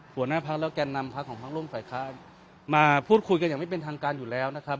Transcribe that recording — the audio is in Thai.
หัวหน้าพักและแก่นำพักของพักร่วมฝ่ายค้านมาพูดคุยกันอย่างไม่เป็นทางการอยู่แล้วนะครับ